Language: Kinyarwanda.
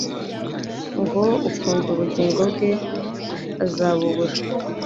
ngo: «Ukunda ubugingo bwe azabubura,